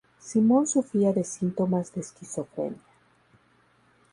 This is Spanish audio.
Simon sufría de síntomas de esquizofrenia.